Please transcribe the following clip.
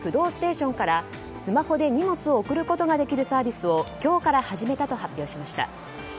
ステーションからスマホで荷物を送ることができるサービスを今日から始めたと発表しました。